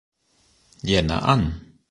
Jänner an.